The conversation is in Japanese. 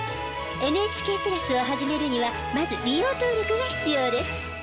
ＮＨＫプラスを始めるにはまず利用登録が必要です。